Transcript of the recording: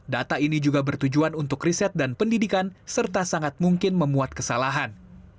data ini juga bertujuan untuk riset dan pendidikan serta sangat mungkin memuat kesalahan